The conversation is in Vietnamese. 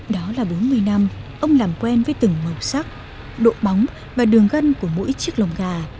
đó là bốn mươi năm ông làm quen với từng màu sắc độ bóng và đường gân của mỗi chiếc lông gà